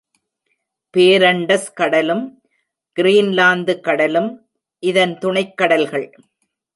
Parents கடலும், Greenland கட லும் இதன் துணைக் கடல்கள்.